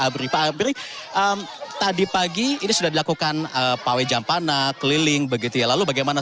abri pak abri tadi pagi ini sudah dilakukan pawai jampana keliling begitu ya lalu bagaimana